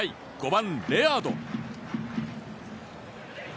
５番、レアード。